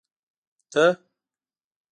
ته